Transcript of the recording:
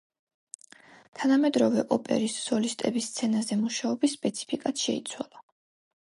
თანამედროვე ოპერის სოლისტების სცენაზე მუშაობის სპეციფიკაც შეიცვალა.